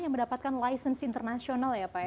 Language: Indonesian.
yang mendapatkan license internasional ya pak ya